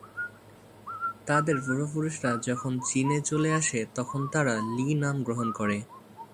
তাদের পূর্বপুরুষরা যখন চীনে চলে আসে তখন তারা লি নাম গ্রহণ করে।